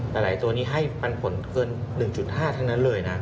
หลายตัวนี้ให้ปันผลเกิน๑๕ทั้งนั้นเลยนะ